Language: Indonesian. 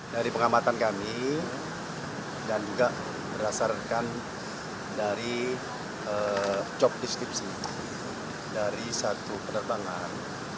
dari pengamatan kami dan juga berdasarkan dari job deskripsi dari satu penerbangan